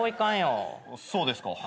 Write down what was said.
そうですか。